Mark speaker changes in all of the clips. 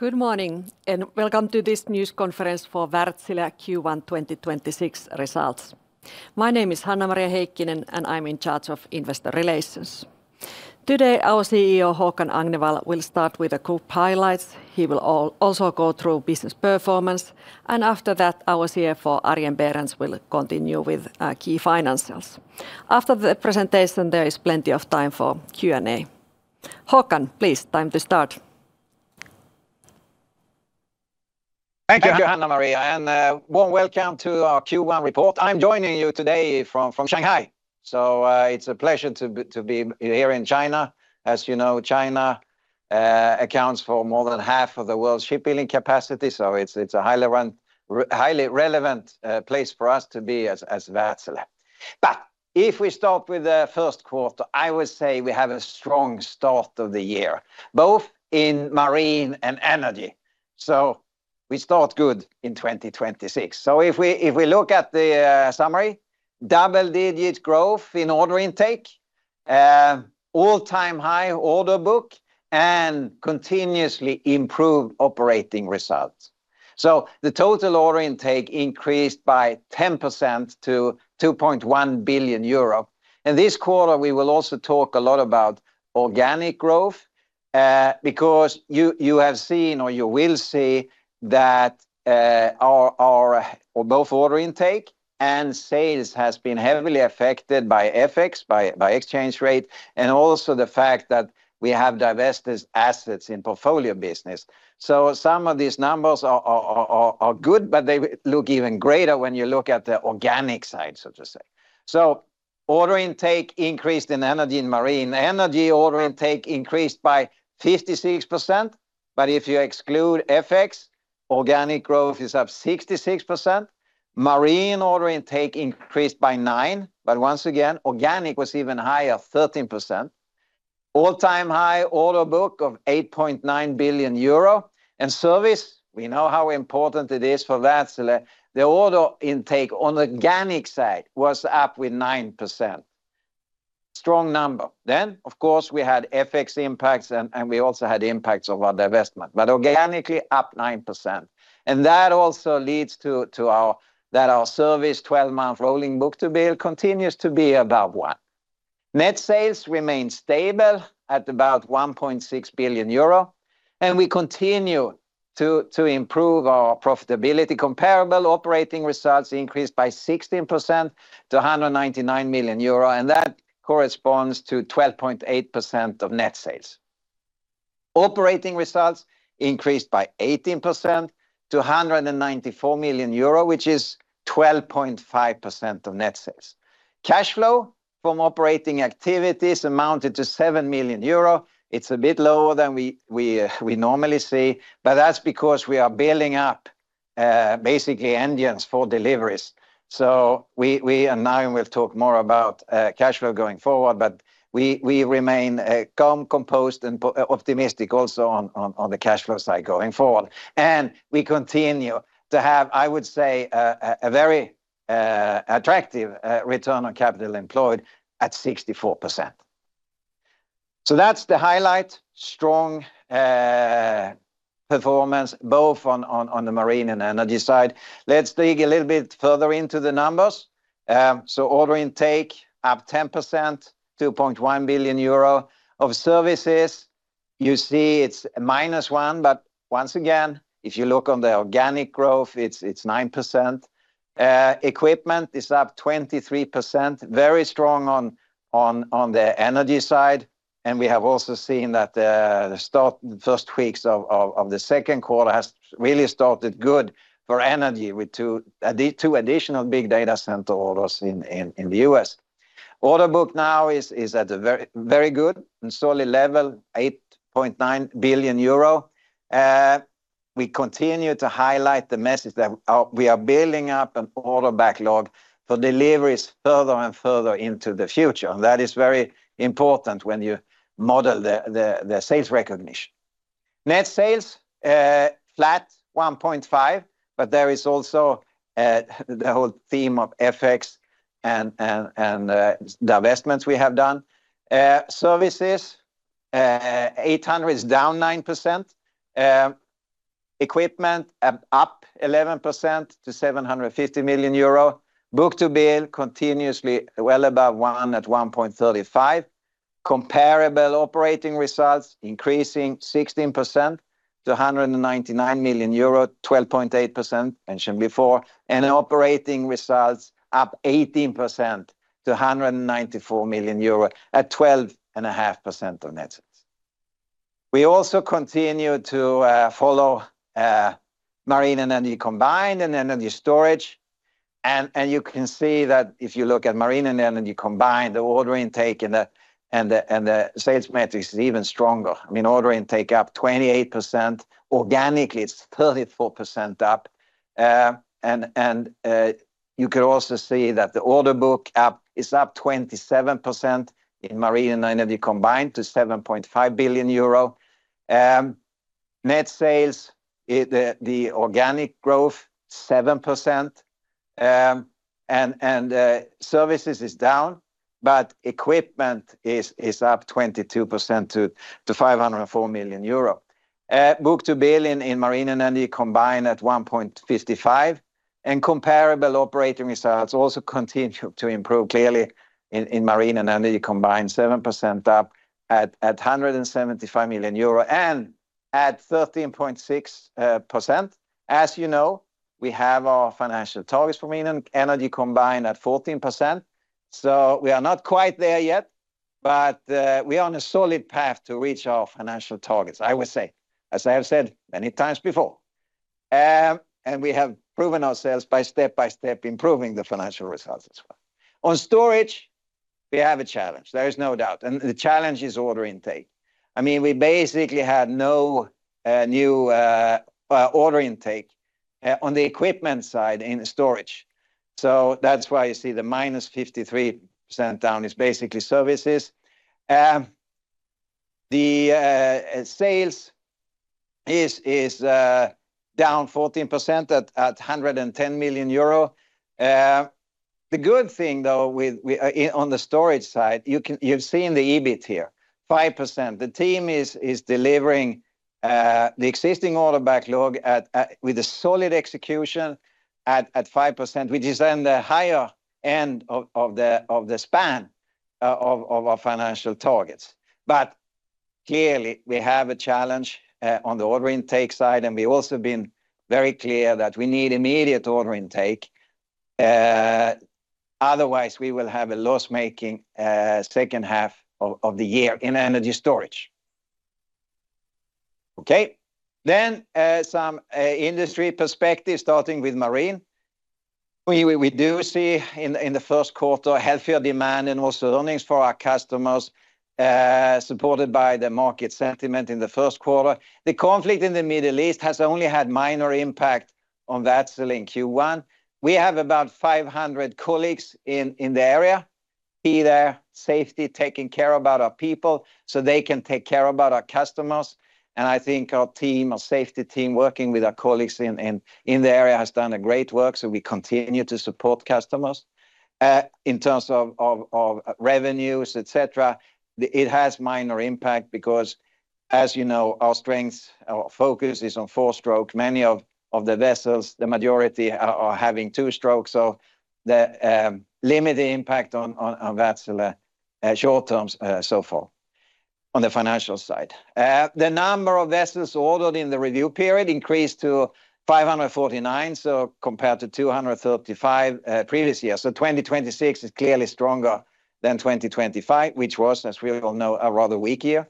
Speaker 1: Good morning, and welcome to this news conference for Wärtsilä Q1 2026 results. My name is Hanna-Maria Heikkinen, and I'm in charge of Investor Relations. Today, our CEO, Håkan Agnevall, will start with a group highlights. He will also go through business performance, and after that, our CFO, Arjen Berends, will continue with key financials. After the presentation, there is plenty of time for Q&A. Håkan, please, time to start.
Speaker 2: Thank you, Hanna-Maria, and warm welcome to our Q1 report. I'm joining you today from Shanghai, so it's a pleasure to be here in China. As you know, China accounts for more than half of the world's shipbuilding capacity, so it's a highly relevant place for us to be as Wärtsilä. If we start with the first quarter, I would say we have a strong start of the year, both in Marine and Energy. We start good in 2026. If we look at the summary, double-digit growth in order intake, all-time high order book, and continuously improved operating results. The total order intake increased by 10% to 2.1 billion euro. In this quarter, we will also talk a lot about organic growth, because you have seen, or you will see that, our both order intake and sales has been heavily affected by FX, by exchange rate, and also the fact that we have divested assets in portfolio business. Some of these numbers are good, but they look even greater when you look at the organic side, so to say. Order intake increased in Energy and Marine. Energy order intake increased by 56%, but if you exclude FX, organic growth is up 66%. Marine order intake increased by 9%, but once again, organic was even higher, 13%. All-time high order book of 8.9 billion euro. Service, we know how important it is for Wärtsilä. The order intake on organic side was up 9%. Strong number. Of course, we had FX impacts and we also had impacts of our divestment. Organically, up 9%. That also leads to that our Service 12-month rolling book-to-bill continues to be above one. Net sales remain stable at about 1.6 billion euro, and we continue to improve our profitability. Comparable operating results increased by 16% to 199 million euro, and that corresponds to 12.8% of net sales. Operating results increased by 18% to 194 million euro, which is 12.5% of net sales. Cash flow from operating activities amounted to 7 million euro. It's a bit lower than we normally see, but that's because we are building up basically engines for deliveries. We and now we'll talk more about cash flow going forward, but we remain calm, composed, and optimistic also on the cash flow side going forward. We continue to have, I would say, a very attractive return on capital employed at 64%. That's the highlight. Strong performance both on the Marine and Energy side. Let's dig a little bit further into the numbers. Order intake up 10%, 2.1 billion euro. Of Services, you see it's -1%, but once again, if you look on the organic growth, it's 9%. Equipment is up 23%, very strong on the Energy side, and we have also seen that the first weeks of the second quarter has really started good for Energy with two additional big data center orders in the U.S. Order book now is at a very good and solid level, 8.9 billion euro. We continue to highlight the message that we are building up an order backlog for deliveries further and further into the future, and that is very important when you model the sales recognition. Net sales flat 1.5%, but there is also the whole theme of FX and divestments we have done. Services 800 million is down 9%. Equipment up 11% to 750 million euro. Book-to-bill continuously well above one at 1.35. Comparable operating results increasing 16% to 199 million euro, 12.8% mentioned before. Operating results up 18% to 194 million euro at 12.5% of net sales. We also continue to follow Marine and Energy combined and Energy Storage, and you can see that if you look at Marine and Energy combined, the order intake and the sales metrics is even stronger. I mean, order intake up 28%. Organically, it's 34% up. You can also see that the order book up 27% in Marine and Energy combined to 7.5 billion euro. Net sales, the organic growth 7%. Services is down, but equipment is up 22% to 504 million euro. Book-to-bill in Marine and Energy combined at 1.55, and comparable operating results also continue to improve clearly in Marine and Energy combined, 7% up at 175 million euro and at 13.6%. As you know, we have our financial targets for Marine and Energy combined at 14%. We are not quite there yet, but we are on a solid path to reach our financial targets, I would say, as I have said many times before. We have proven ourselves by step by step improving the financial results as well. On storage, we have a challenge, there is no doubt, and the challenge is order intake. I mean, we basically had no new order intake on the equipment side in storage. That's why you see the -53% down is basically services. The sales is down 14% at 110 million euro. The good thing though on the storage side, you've seen the EBIT here, 5%. The team is delivering the existing order backlog with a solid execution at 5%, which is on the higher end of the span of our financial targets. Clearly we have a challenge on the order intake side, and we've also been very clear that we need immediate order intake. Otherwise we will have a loss-making second half of the year in Energy Storage. Okay. Some industry perspective starting with Marine. We do see in the first quarter healthier demand and also earnings for our customers, supported by the market sentiment in the first quarter. The conflict in the Middle East has only had minor impact on Wärtsilä in Q1. We have about 500 colleagues in the area. Be there, safety, taking care of our people, so they can take care of our customers. I think our team, our safety team working with our colleagues in the area has done a great work, so we continue to support customers. In terms of revenues, et cetera, it has minor impact because, as you know, our strength, our focus is on four-stroke. Many of the vessels, the majority are having two-stroke, so the limited impact on Wärtsilä short term, so far on the financial side. The number of vessels ordered in the review period increased to 549, compared to 235 previous year. 2026 is clearly stronger than 2025, which was, as we all know, a rather weak year.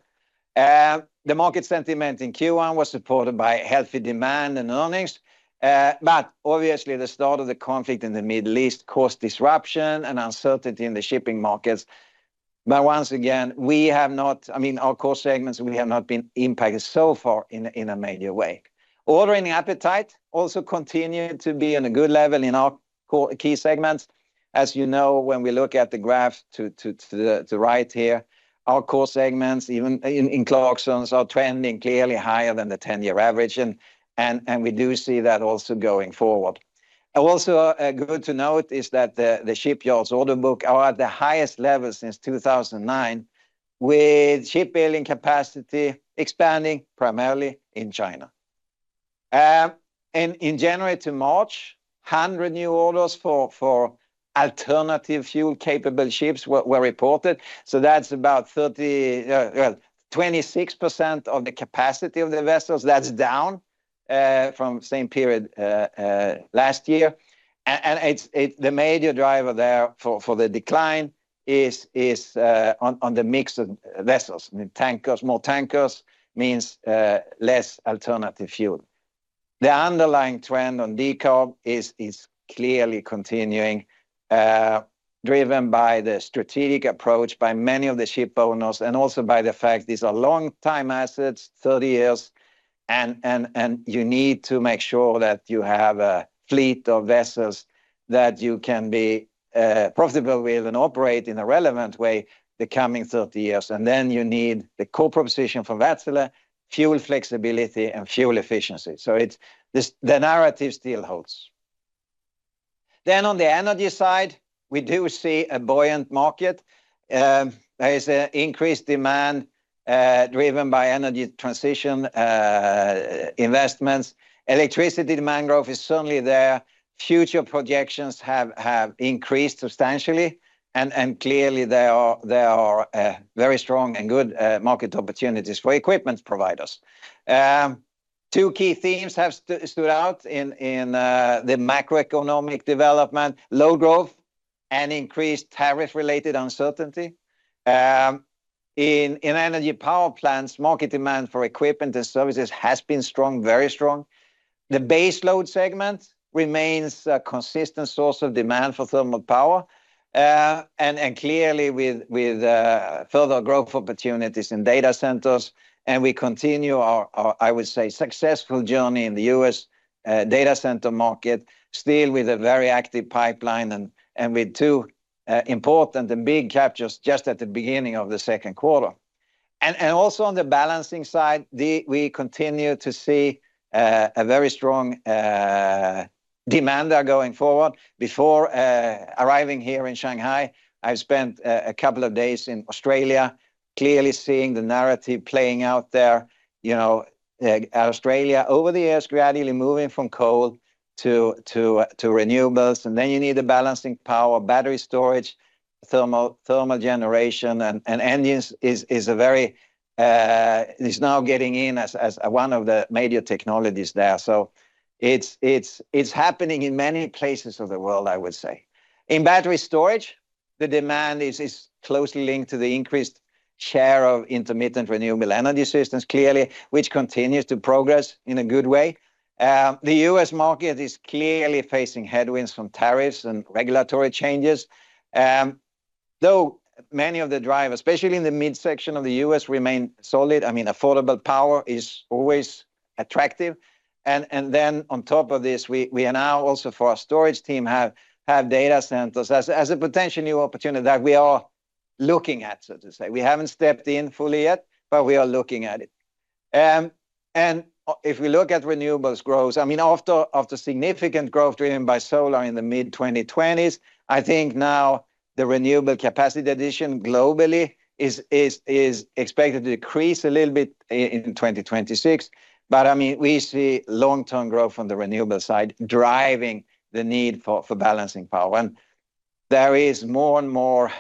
Speaker 2: The market sentiment in Q1 was supported by healthy demand and earnings. Obviously the start of the conflict in the Middle East caused disruption and uncertainty in the shipping markets. Once again, I mean, our core segments, we have not been impacted so far in a major way. Ordering appetite also continued to be on a good level in our core segments. As you know, when we look at the graph to the right here, our core segments, even in Clarksons are trending clearly higher than the ten-year average and we do see that also going forward. Good to note is that the shipyards' order book are at the highest level since 2009, with shipbuilding capacity expanding primarily in China. In January to March, 100 new orders for alternative fuel-capable ships were reported. That's about 26% of the capacity of the vessels. That's down from the same period last year. It's the major driver there for the decline is on the mix of vessels. I mean, tankers. More tankers means less alternative fuel. The underlying trend on decarb is clearly continuing, driven by the strategic approach by many of the ship owners, and also by the fact these are long-term assets, 30 years, and you need to make sure that you have a fleet of vessels that you can be profitable with and operate in a relevant way the coming 30 years. You need the core proposition from Wärtsilä, fuel flexibility and fuel efficiency. It's this the narrative still holds. On the energy side, we do see a buoyant market. There is an increased demand driven by energy transition investments. Electricity demand growth is certainly there. Future projections have increased substantially and clearly there are very strong and good market opportunities for equipment providers. Two key themes have stood out in the macroeconomic development: low growth and increased tariff-related uncertainty. In energy power plants, market demand for equipment and services has been strong, very strong. The base load segment remains a consistent source of demand for thermal power, and clearly with further growth opportunities in data centers, and we continue our successful journey in the U.S. data center market, still with a very active pipeline and with 2 important and big captures just at the beginning of the second quarter. Also on the balancing side, we continue to see a very strong demand there going forward. Before arriving here in Shanghai, I've spent a couple of days in Australia clearly seeing the narrative playing out there. You know, like Australia over the years gradually moving from coal to renewables, and then you need the balancing power, battery storage, thermal generation and engines is now getting in as one of the major technologies there. It's happening in many places of the world, I would say. In battery storage, the demand is closely linked to the increased share of intermittent renewable energy systems, clearly, which continues to progress in a good way. The U.S. market is clearly facing headwinds from tariffs and regulatory changes, though many of the drivers, especially in the Midwest of the U.S., remain solid. I mean, affordable power is always attractive and then on top of this, we are now also for our storage team have data centers as a potential new opportunity that we are looking at, so to say. We haven't stepped in fully yet, but we are looking at it. If we look at renewables growth, I mean, after significant growth driven by solar in the mid-2020s, I think now the renewable capacity addition globally is expected to decrease a little bit in 2026. I mean, we see long-term growth on the renewable side driving the need for balancing power. There is more and more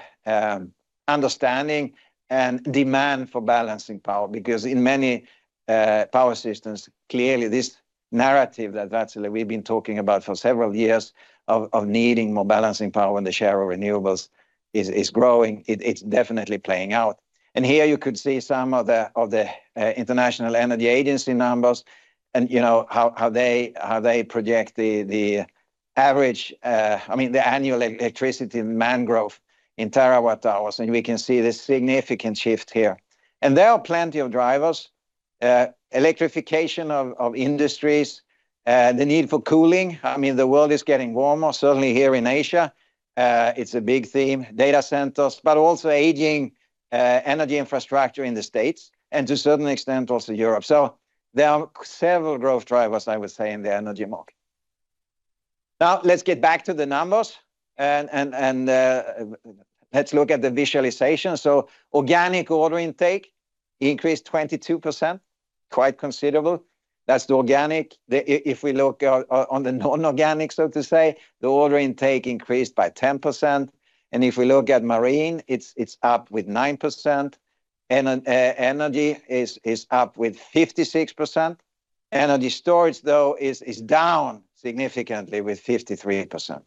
Speaker 2: understanding and demand for balancing power because in many power systems, clearly this narrative that actually we've been talking about for several years of needing more balancing power when the share of renewables is growing, it's definitely playing out. Here you could see some of the International Energy Agency numbers and, you know, how they project the average, I mean, the annual electricity demand growth in terawatt-hours, and we can see the significant shift here. There are plenty of drivers, electrification of industries, the need for cooling. I mean, the world is getting warmer, certainly here in Asia, it's a big theme. Data centers, but also aging energy infrastructure in the States and to a certain extent also Europe. There are several growth drivers, I would say, in the energy market. Now let's get back to the numbers and let's look at the visualization. Organic order intake increased 22%, quite considerable. That's the organic. If we look on the non-organic, so to say, the order intake increased by 10%. If we look at Marine, it's up with 9%, and Energy is up with 56%. Energy Storage, though, is down significantly with 53%.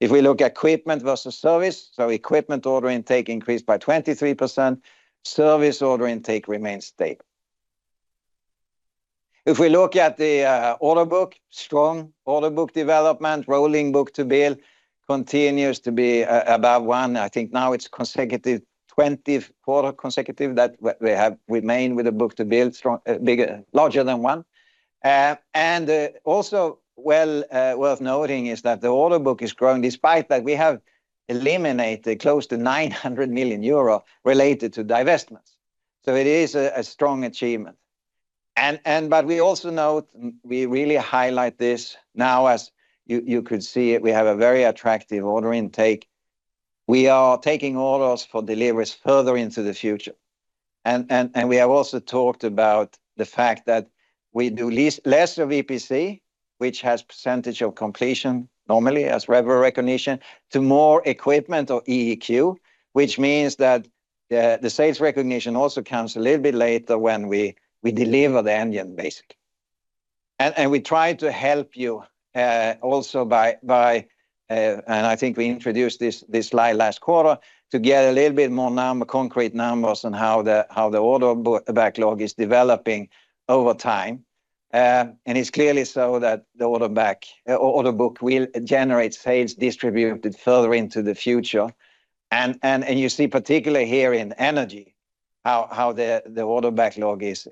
Speaker 2: If we look at Equipment versus Service, so Equipment order intake increased by 23%, Service order intake remains stable. If we look at the order book, strong order book development, rolling book-to-bill continues to be above one. I think now it's 20 consecutive quarters that we have remained with the book-to-bill strong, bigger, larger than one. Also well worth noting is that the order book is growing despite that we have eliminated close to 900 million euro related to divestments, so it is a strong achievement. But we also note, we really highlight this now as you could see it, we have a very attractive order intake. We are taking orders for deliveries further into the future and we have also talked about the fact that we do less of EPC, which has percentage of completion normally as revenue recognition to more equipment or EEQ, which means that the sales recognition also comes a little bit later when we deliver the engine, basically. We try to help you also by, and I think we introduced this slide last quarter to get a little bit more concrete numbers on how the order book backlog is developing over time. It's clearly so that the order book will generate sales distributed further into the future. You see particularly here in Energy how the order backlog is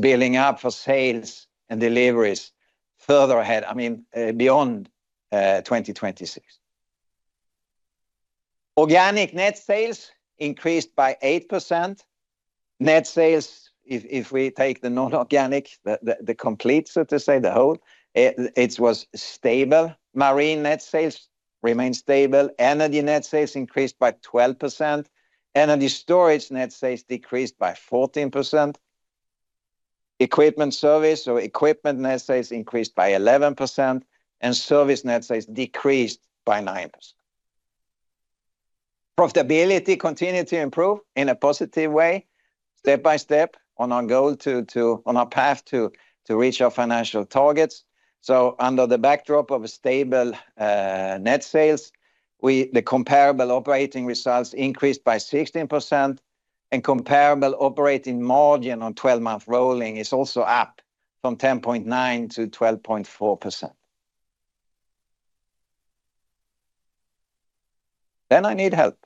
Speaker 2: building up for sales and deliveries further ahead, I mean, beyond 2026. Organic net sales increased by 8%. Net sales, if we take the non-organic, the complete, so to say, the whole, it was stable. Marine net sales remain stable. Energy net sales increased by 12%. Energy Storage net sales decreased by 14%. Equipment service or equipment net sales increased by 11%, and service net sales decreased by 9%. Profitability continued to improve in a positive way step by step on our path to reach our financial targets. Under the backdrop of a stable net sales, the comparable operating results increased by 16%, and comparable operating margin on 12-month rolling is also up from 10.9%-12.4%. I need help.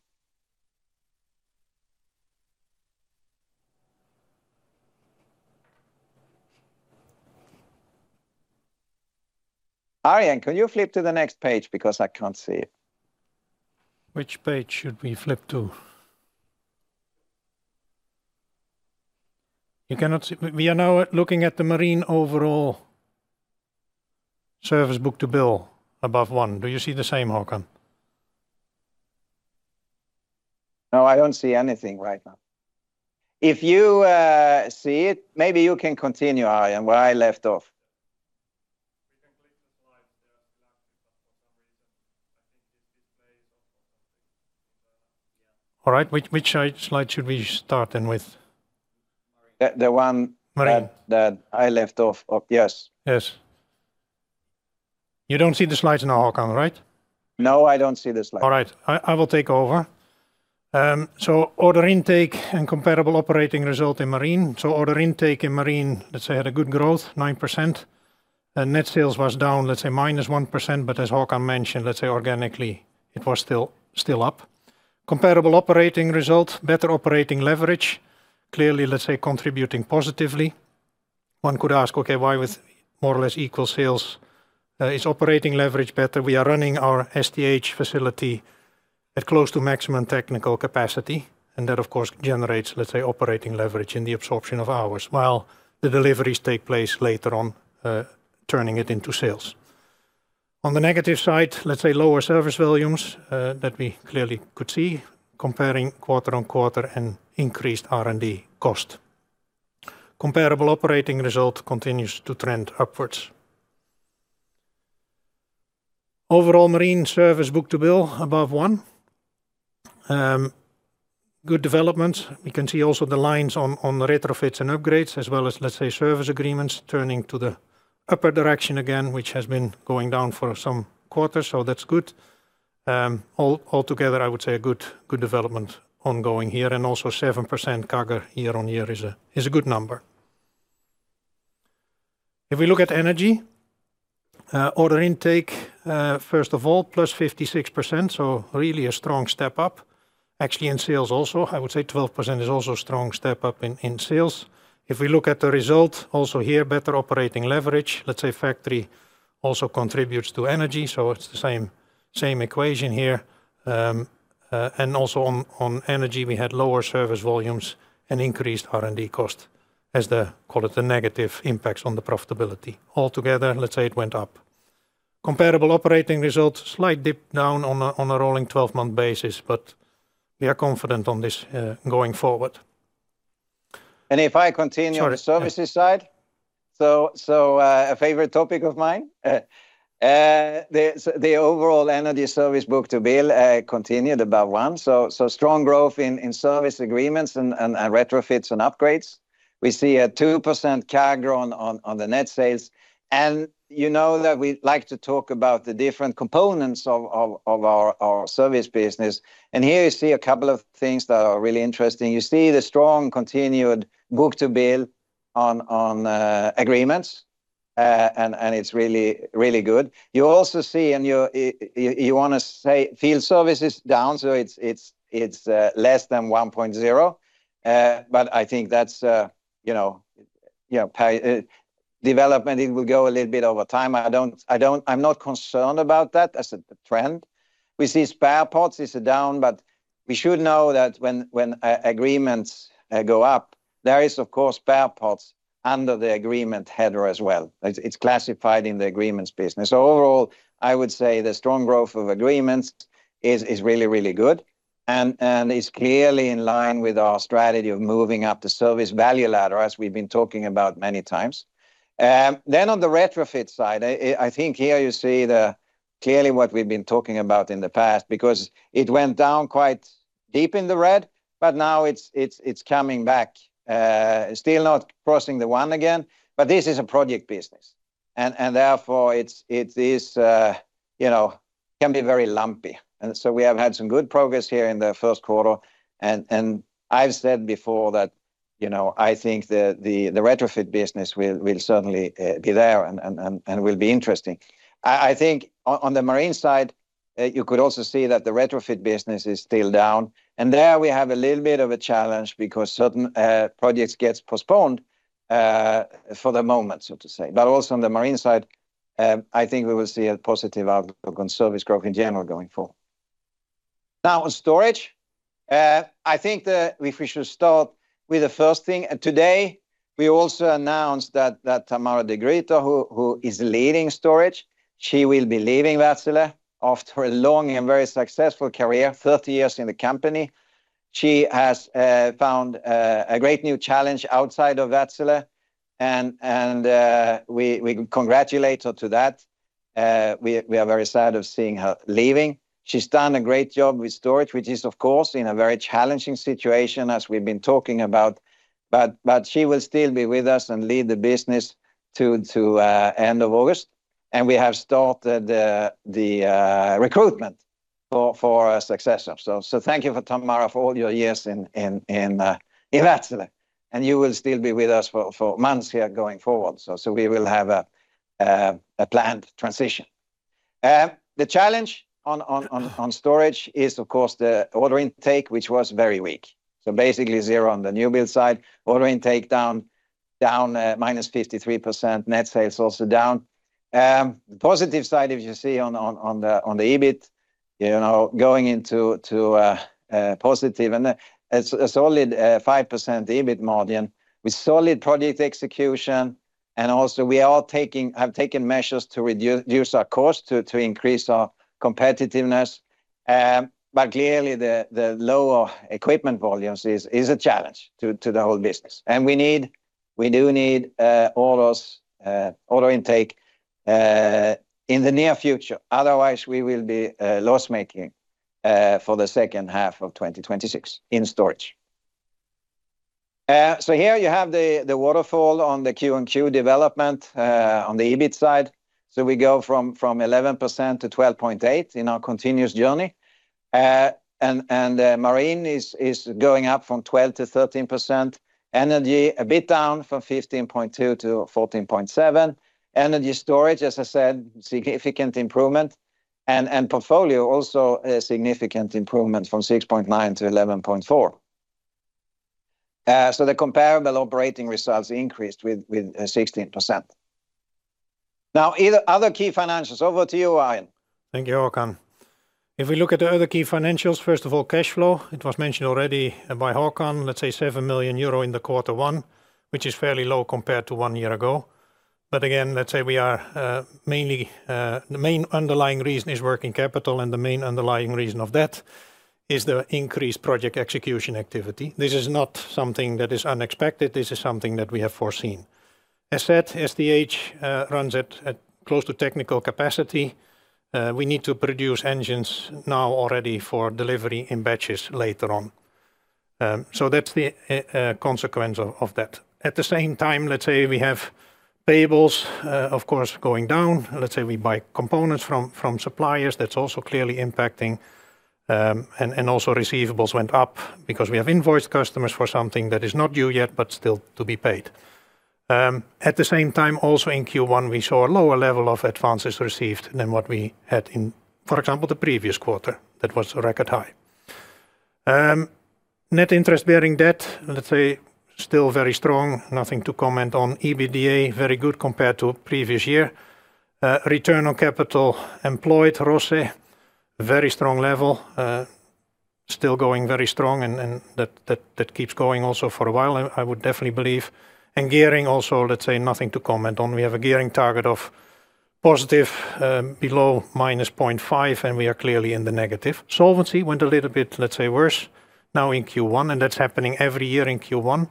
Speaker 2: Arjen, can you flip to the next page because I can't see it?
Speaker 3: Which page should we flip to? You cannot see. We are now looking at the Marine overall service book-to-bill above one. Do you see the same, Håkan?
Speaker 2: No, I don't see anything right now. If you see it, maybe you can continue, Arjen, where I left off.
Speaker 3: All right. Which slide should we start then with?
Speaker 2: The one-
Speaker 3: Marine
Speaker 2: That I left off of. Yes.
Speaker 3: Yes. You don't see the slides now, Håkan, right?
Speaker 2: No, I don't see the slides.
Speaker 3: All right. I will take over. Order intake and comparable operating result in Marine. Order intake in Marine, let's say had a good growth, 9%. Net sales was down, let's say -1%, but as Håkan mentioned, let's say organically, it was still up. Comparable operating results, better operating leverage, clearly, let's say, contributing positively. One could ask, okay, why with more or less equal sales, is operating leverage better? We are running our STH facility at close to maximum technical capacity, and that of course generates, let's say, operating leverage in the absorption of hours, while the deliveries take place later on, turning it into sales. On the negative side, let's say lower service volumes, that we clearly could see comparing quarter-on-quarter and increased R&D cost. Comparable operating result continues to trend upwards. Overall Marine service book-to-bill above one. Good development. We can see also the lines on retrofits and upgrades, as well as, let's say, service agreements turning to the upper direction again, which has been going down for some quarters, so that's good. Altogether, I would say a good development ongoing here, and also 7% CAGR year-on-year is a good number. If we look at energy order intake, first of all, +56%, so really a strong step up. Actually in sales also, I would say 12% is also strong step up in sales. If we look at the result, also here, better operating leverage, let's say factor also contributes to energy, so it's the same equation here. Also on energy, we had lower service volumes and increased R&D cost as call it the negative impacts on the profitability. Altogether, let's say it went up. Comparable operating results, slight dip down on a 12-month basis, but we are confident on this going forward.
Speaker 2: If I continue.
Speaker 3: Sorry...
Speaker 2: the services side. A favorite topic of mine. The overall energy service book-to-bill continued above one, strong growth in service agreements and retrofits and upgrades. We see a 2% CAGR on the net sales. You know that we like to talk about the different components of our service business. Here, you see a couple of things that are really interesting. You see the strong continued book-to-bill on agreements, and it's really good. You also see field service is down, so it's less than 1.0. But I think that's you know a development, it will go a little bit over time. I don't. I'm not concerned about that as a trend. We see spare parts is down, but we should know that when agreements go up, there is of course spare parts under the agreement header as well. It's classified in the agreements business. Overall, I would say the strong growth of agreements is really good and is clearly in line with our strategy of moving up the service value ladder, as we've been talking about many times. On the retrofit side, I think here you see clearly what we've been talking about in the past, because it went down quite deep in the red, but now it's coming back. Still not crossing the one again, but this is a project business and therefore it is, you know, can be very lumpy. We have had some good progress here in the first quarter, and I've said before that, you know, I think the retrofit business will certainly be there and will be interesting. I think on the Marine side, you could also see that the retrofit business is still down. There we have a little bit of a challenge because certain projects get postponed for the moment, so to say. Also on the Marine side, I think we will see a positive outlook on service growth in general going forward. Now, on Storage, I think that we should start with the first thing. Today, we also announced that Tamara de Gruyter, who is leading Storage, she will be leaving Wärtsilä after a long and very successful career, 30 years in the company. She has found a great new challenge outside of Wärtsilä and we congratulate her to that. We are very sad of seeing her leaving. She's done a great job with storage, which is of course in a very challenging situation as we've been talking about. She will still be with us and lead the business to end of August, and we have started the recruitment for a successor. Thank you for Tamara for all your years in Wärtsilä. You will still be with us for months here going forward. We will have a planned transition. The challenge on storage is of course the order intake which was very weak. Basically zero on the new build side. Order intake down 53%. Net sales also down. The positive side, if you see on the EBIT, you know, going into positive and a solid 5% EBIT margin with solid project execution. We have taken measures to reduce our cost to increase our competitiveness. Clearly the lower equipment volumes is a challenge to the whole business. We need orders, order intake in the near future, otherwise we will be loss making for the second half of 2026 in Storage. Here you have the waterfall on the Q-on-Q development on the EBIT side. We go from 11% to 12.8% in our continuous journey. Marine is going up from 12%-13%. Energy a bit down from 15.2%-14.7%. Energy Storage, as I said, significant improvement. Portfolio also a significant improvement from 6.9%-11.4%. The comparable operating results increased 16%. Now the other key financials, over to you, Arjen.
Speaker 3: Thank you, Håkan. If we look at the other key financials, first of all, cash flow, it was mentioned already by Håkan, let's say 7 million euro in quarter one, which is fairly low compared to one year ago. Again, let's say we are mainly. The main underlying reason is working capital, and the main underlying reason of that is the increased project execution activity. This is not something that is unexpected. This is something that we have foreseen. As said, STH runs at close to technical capacity. We need to produce engines now already for delivery in batches later on. So that's the consequence of that. At the same time, let's say we have payables, of course, going down. Let's say we buy components from suppliers that's also clearly impacting, and also receivables went up because we have invoiced customers for something that is not due yet, but still to be paid. At the same time also in Q1, we saw a lower level of advances received than what we had in, for example, the previous quarter. That was a record high. Net interest-bearing debt, let's say still very strong. Nothing to comment on. EBITDA, very good compared to previous year. Return on capital employed, ROCE, very strong level. Still going very strong and that keeps going also for a while, I would definitely believe. Gearing also, let's say nothing to comment on. We have a gearing target of positive below -0.5 and we are clearly in the negative. Solvency went a little bit, let's say, worse now in Q1, and that's happening every year in Q1.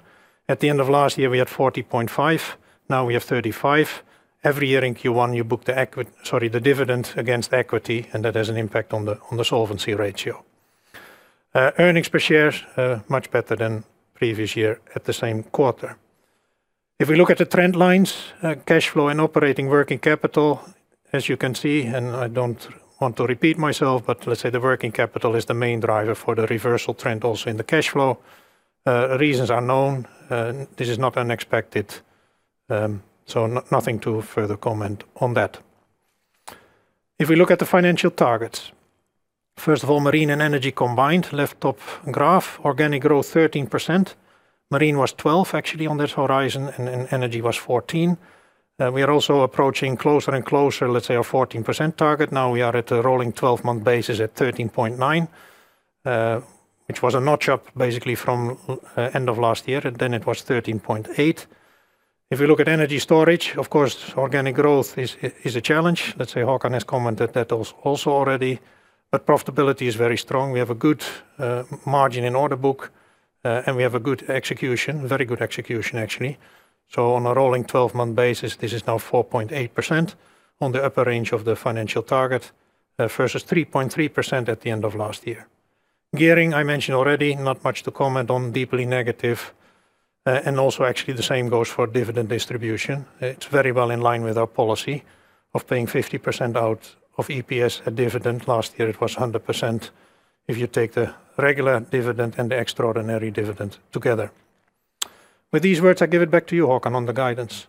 Speaker 3: At the end of last year, we had 40.5%, now we have 35%. Every year in Q1, you book the dividend against equity, and that has an impact on the solvency ratio. Earnings per share much better than previous year at the same quarter. If we look at the trend lines, cash flow and operating working capital, as you can see, and I don't want to repeat myself, but let's say the working capital is the main driver for the reversal trend also in the cash flow. Reasons are known, this is not unexpected. Nothing to further comment on that. If we look at the financial targets, first of all, Marine and Energy combined, left top graph, organic growth 13%. Marine was 12% actually on this horizon, and energy was 14%. We are also approaching closer and closer, let's say our 14% target. Now we are at a rolling twelve-month basis at 13.9%, which was a notch up basically from end of last year, then it was 13.8%. If you look at Energy Storage, of course, organic growth is a challenge. Let's say Håkan has commented that also already, but profitability is very strong. We have a good margin in order book, and we have a good execution. Very good execution actually. On a rolling 12-month basis, this is now 4.8% on the upper range of the financial target, versus 3.3% at the end of last year. Gearing, I mentioned already, not much to comment on, deeply negative. Also actually the same goes for dividend distribution. It's very well in line with our policy of paying 50% out of EPS dividend. Last year it was 100% if you take the regular dividend and the extraordinary dividend together. With these words, I give it back to you, Håkan, on the guidance.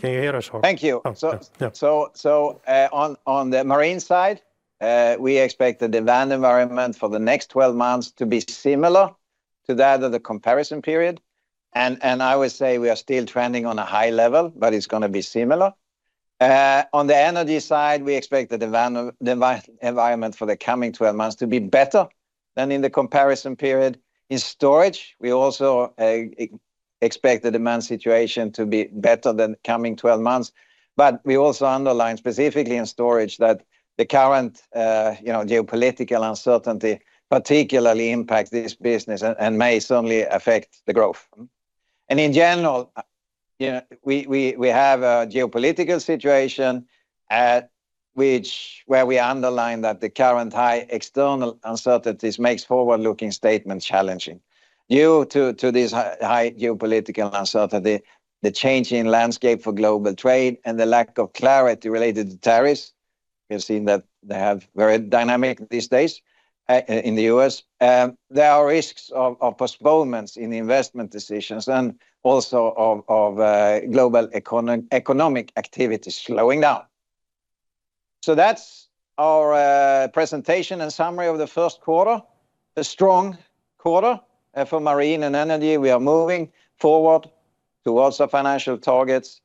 Speaker 3: Can you hear us, Håkan?
Speaker 2: Thank you.
Speaker 3: Oh, sorry. Yeah.
Speaker 2: On the marine side, we expect the demand environment for the next 12 months to be similar to that of the comparison period. I would say we are still trending on a high level, but it's gonna be similar. On the energy side, we expect the demand environment for the coming 12 months to be better than in the comparison period. In Storage, we also expect the demand situation to be better in the coming 12 months. We also underline specifically in Storage that the current, you know, geopolitical uncertainty particularly impacts this business and may certainly affect the growth. In general, you know, we have a geopolitical situation where we underline that the current high external uncertainties makes forward-looking statements challenging. Due to this high geopolitical uncertainty, the changing landscape for global trade, and the lack of clarity related to tariffs. We've seen that they have very dynamic these days in the U.S. There are risks of postponements in investment decisions and also of global economic activity slowing down. That's our presentation and summary of the first quarter. A strong quarter for Marine and Energy. We are moving forward towards our financial targets.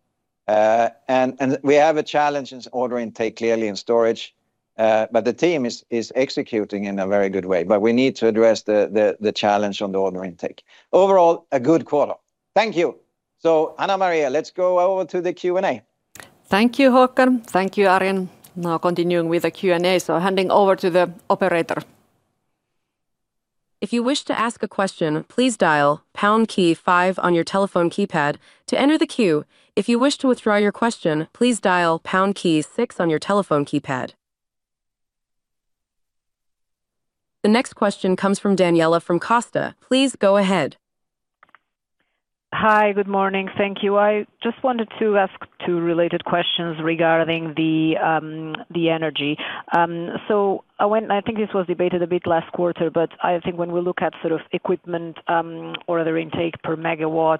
Speaker 2: And we have a challenge in order intake, clearly, and storage. But the team is executing in a very good way. But we need to address the challenge on the order intake. Overall, a good quarter. Thank you. Hanna-Maria Heikkinen, let's go over to the Q&A.
Speaker 1: Thank you, Håkan. Thank you, Arjen. Now continuing with the Q&A, so handing over to the operator.
Speaker 4: If you wish to ask a question, please dial pound key five on your telephone keypad to enter the queue. If you wish to withdraw your question, please dial pound key six on your telephone keypad. The next question comes from Daniela Costa. Please go ahead.
Speaker 5: Hi, good morning. Thank you. I just wanted to ask two related questions regarding the energy. I think this was debated a bit last quarter, but I think when we look at sort of equipment order intake per megawatt,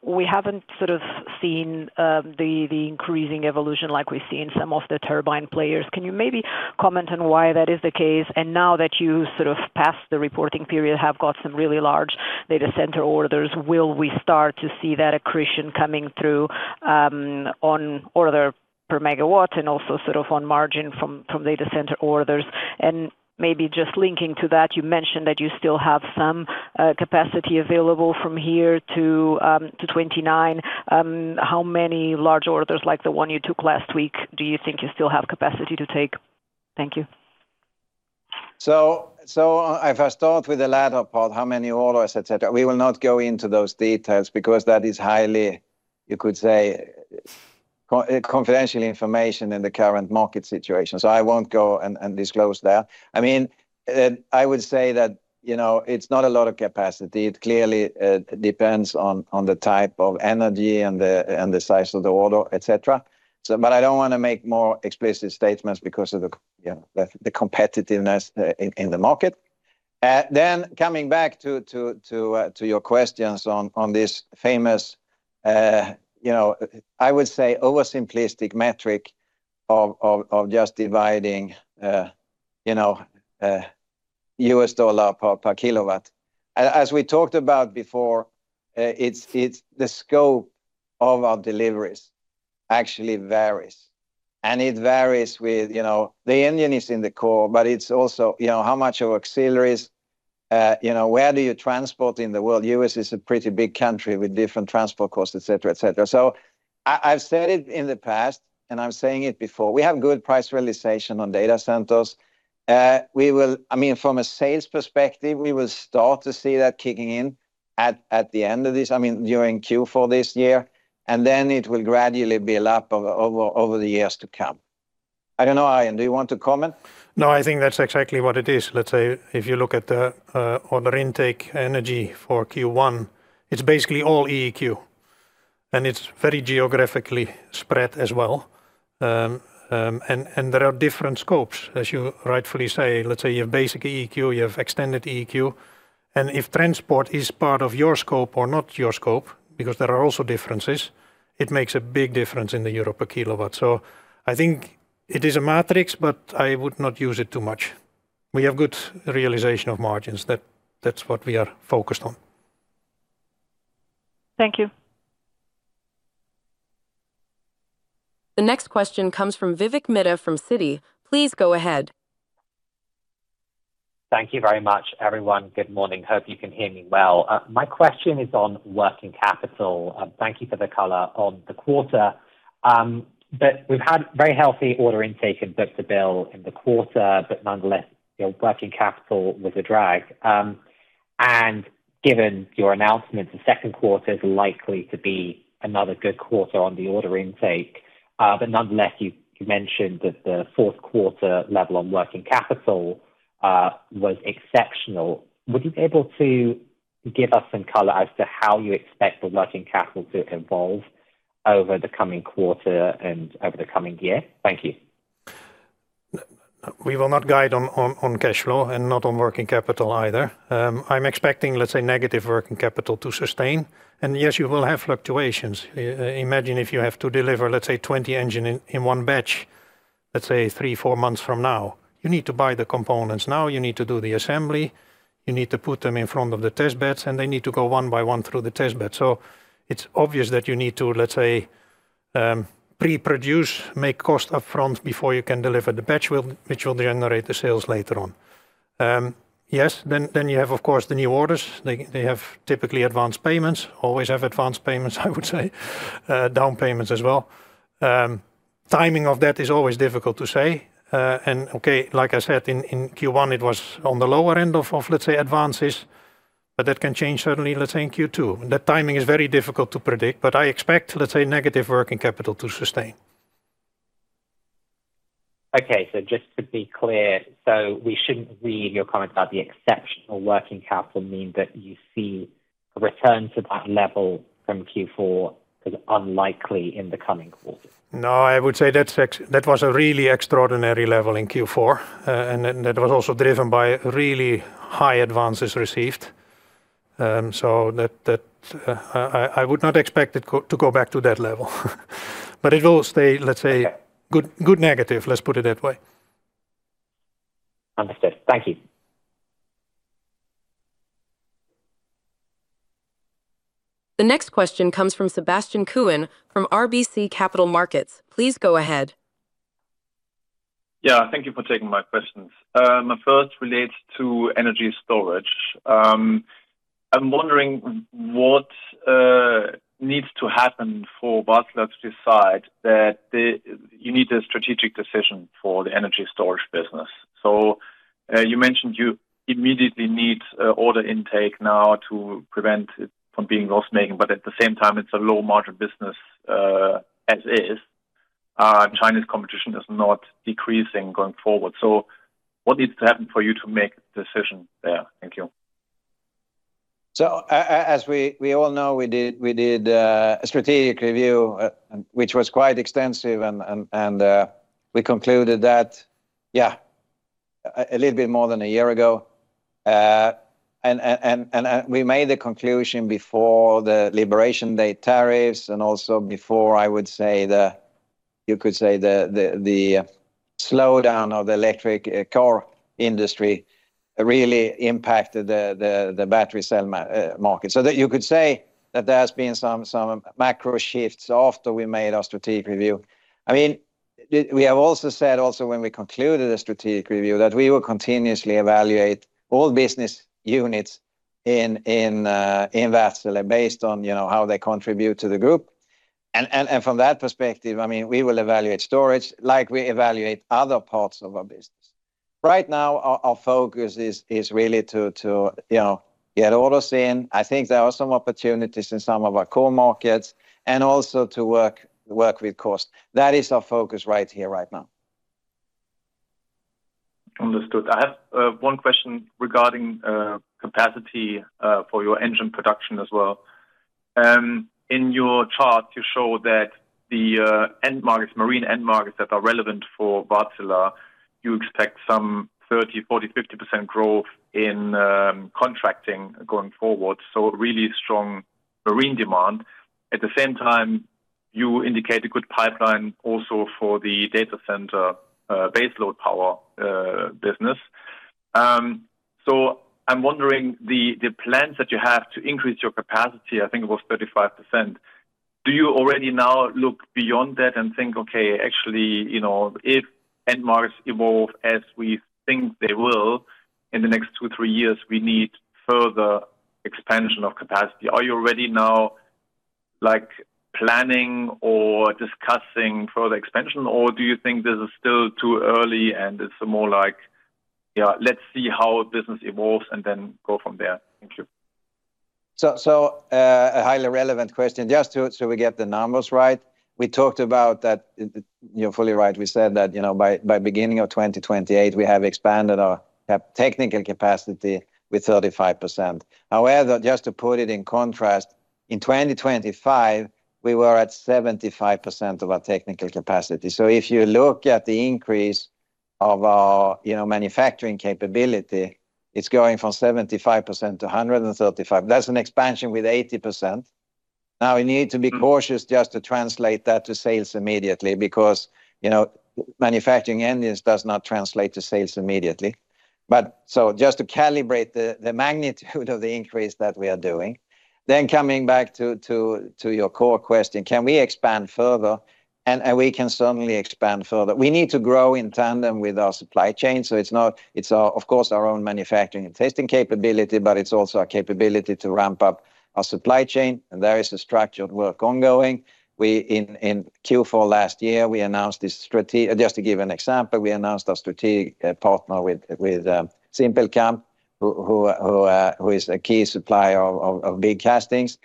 Speaker 5: we haven't sort of seen the increasing evolution like we see in some of the turbine players. Can you maybe comment on why that is the case? Now that you're sort of past the reporting period, have got some really large data center orders, will we start to see that accretion coming through on order per megawatt and also sort of on margin from data center orders? Maybe just linking to that, you mentioned that you still have some capacity available from here to 2029. How many large orders like the one you took last week do you think you still have capacity to take? Thank you.
Speaker 2: If I start with the latter part, how many orders, et cetera, we will not go into those details because that is highly, you could say, confidential information in the current market situation. I won't go and disclose that. I mean, I would say that, you know, it's not a lot of capacity. It clearly depends on the type of energy and the size of the order, et cetera. I don't wanna make more explicit statements because of the, you know, the competitiveness in the market. Then coming back to your questions on this famous, you know, I would say oversimplistic metric of just dividing, you know, U.S. dollar per kilowatt. As we talked about before, it's the scope of our deliveries actually varies. It varies with, you know, the engine is in the core, but it's also, you know, how much of auxiliaries. You know, where do you transport in the world? U.S. is a pretty big country with different transport costs, et cetera, et cetera. I've said it in the past, and I'm saying it before, we have good price realization on data centers. We will, I mean, from a sales perspective, we will start to see that kicking in at the end of this, I mean, during Q4 this year, and then it will gradually build up over the years to come. I don't know, Arjen, do you want to comment?
Speaker 3: No, I think that's exactly what it is. Let's say if you look at the order intake energy for Q1, it's basically all EEQ, and it's very geographically spread as well. There are different scopes, as you rightfully say. Let's say you have basic EEQ, you have extended EEQ. If transport is part of your scope or not your scope, because there are also differences, it makes a big difference in the euro per kilowatt. I think it is a matrix, but I would not use it too much. We have good realization of margins. That's what we are focused on.
Speaker 5: Thank you.
Speaker 4: The next question comes from Vivek Midha from Citi. Please go ahead.
Speaker 6: Thank you very much, everyone. Good morning. Hope you can hear me well. My question is on working capital. Thank you for the color on the quarter. We've had very healthy order intake and book-to-bill in the quarter, but nonetheless, your working capital was a drag. Given your announcement, the second quarter is likely to be another good quarter on the order intake. Nonetheless, you've mentioned that the fourth quarter level on working capital was exceptional. Would you be able to give us some color as to how you expect the working capital to evolve over the coming quarter and over the coming year? Thank you.
Speaker 3: We will not guide on cash flow and not on working capital either. I'm expecting, let's say, negative working capital to sustain. Yes, you will have fluctuations. I imagine if you have to deliver, let's say, 20 engines in one batch, let's say 3-4 months from now. You need to buy the components now. You need to do the assembly. You need to put them in front of the testbeds, and they need to go one by one through the testbeds. It's obvious that you need to, let's say, pre-produce, make costs up front before you can deliver. The batch, which will generate the sales later on. Yes. You have, of course, the new orders. They have typically advanced payments. Always have advanced payments, I would say. Down payments as well. Timing of that is always difficult to say. Okay, like I said, in Q1, it was on the lower end of let's say advances, but that can change certainly, let's say, in Q2. The timing is very difficult to predict, but I expect, let's say, negative working capital to sustain.
Speaker 6: Okay. Just to be clear, we shouldn't read your comment about the exceptional working capital meaning that you see? Return to that level from Q4 is unlikely in the coming quarters?
Speaker 3: No, I would say that was a really extraordinary level in Q4. That was also driven by really high advances received. That, I would not expect it to go back to that level. It will stay, let's say.
Speaker 6: Yeah
Speaker 3: Good, good negative. Let's put it that way.
Speaker 6: Understood. Thank you.
Speaker 4: The next question comes from Sebastian Kuenne from RBC Capital Markets. Please go ahead.
Speaker 7: Yeah. Thank you for taking my questions. My first relates to Energy Storage. I'm wondering what needs to happen for Wärtsilä to decide that you need a strategic decision for the Energy Storage business. You mentioned you immediately need order intake now to prevent it from being loss-making, but at the same time, it's a low-margin business as is. Chinese competition is not decreasing going forward. What needs to happen for you to make a decision there? Thank you.
Speaker 2: As we all know, we did a strategic review, which was quite extensive, and we concluded that yeah, a little bit more than a year ago. We made the conclusion before the Liberation Day tariffs and also before I would say you could say the slowdown of the electric car industry really impacted the battery cell market. That you could say that there's been some macro shifts after we made our strategic review. I mean, we have also said when we concluded the strategic review that we will continuously evaluate all business units in Wärtsilä based on you know, how they contribute to the group. From that perspective, I mean, we will evaluate Storage like we evaluate other parts of our business. Right now our focus is really to you know get orders in. I think there are some opportunities in some of our core markets and also to work with cost. That is our focus right here, right now.
Speaker 7: Understood. I have one question regarding capacity for your engine production as well. In your chart, you show that the end markets, Marine end markets that are relevant for Wärtsilä, you expect some 30%, 40%, 50% growth in contracting going forward, so really strong marine demand. At the same time, you indicate a good pipeline also for the data center base load power business. I'm wondering the plans that you have to increase your capacity, I think it was 35%. Do you already now look beyond that and think, "Okay, actually, you know, if end markets evolve as we think they will in the next two, three years, we need further expansion of capacity." Are you already now, like, planning or discussing further expansion, or do you think this is still too early and it's more like, yeah, let's see how business evolves and then go from there? Thank you.
Speaker 2: A highly relevant question. Just to get the numbers right, we talked about that, you're fully right. We said that, you know, by beginning of 2028, we have expanded our technical capacity with 35%. However, just to put it in contrast, in 2025, we were at 75% of our technical capacity. If you look at the increase of our, you know, manufacturing capability, it's going from 75% to 135%. That's an expansion with 80%. Now we need to be cautious just to translate that to sales immediately, because, you know, manufacturing engines does not translate to sales immediately. Just to calibrate the magnitude of the increase that we are doing. Coming back to your core question, can we expand further? We can certainly expand further. We need to grow in tandem with our supply chain. It's, of course, our own manufacturing and testing capability, but it's also our capability to ramp up our supply chain, and there is a structured work ongoing. In Q4 last year, we announced our strategic partner with Wärtsilä who is a key supplier of big castings.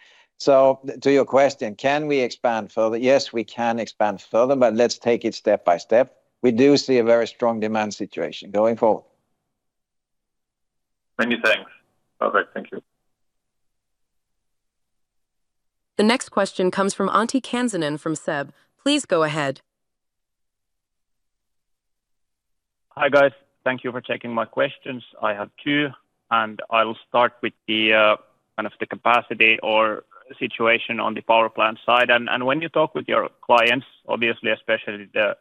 Speaker 2: To your question, can we expand further? Yes, we can expand further, but let's take it step by step. We do see a very strong demand situation going forward.
Speaker 7: Many thanks. Perfect. Thank you.
Speaker 4: The next question comes from Antti Kansanen from SEB. Please go ahead.
Speaker 8: Hi, guys. Thank you for taking my questions. I have two, and I will start with the kind of the capacity or situation on the power plant side. When you talk with your clients, obviously, especially the